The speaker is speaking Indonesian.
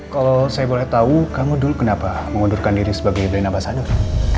kalo saya boleh tau kamu dulu kenapa mengundurkan diri sebagai belina basadur